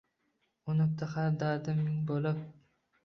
Unibdi har dardim ming boʼlib.